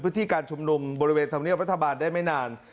พื้นที่การชุมนุมบริเวณธรรมเนียบรัฐบาลได้ไม่นาน